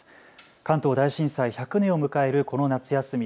関東大震災１００年を迎えるこの夏休み。